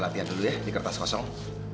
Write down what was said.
latihan dulu ya di kertas kosong